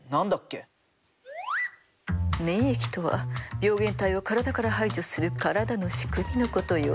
免疫とは病原体を体から排除する体の仕組みのことよ。